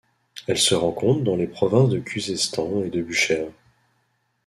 Elle se rencontre dans les provinces de Khuzestan et de Bushehr.